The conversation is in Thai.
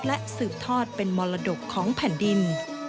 และสืบทอดเป็นมรดกของแผ่นดิน